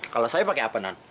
kalau saya pakai apa non